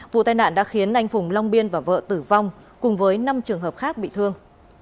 vụ tai nạn đã khiến anh phùng long biên và vợ tử vong cùng với năm trường hợp khác bị thương